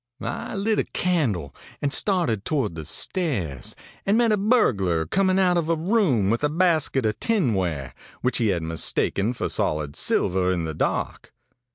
I lit a candle, and started toward the stairs, and met a burglar coming out of a room with a basket of tinware, which he had mistaken for solid silver in the dark.